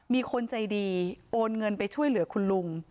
มีคนใจดีโอนเงินไปช่วยเหลือคุณลุง